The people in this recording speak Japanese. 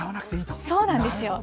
そうなんですよ。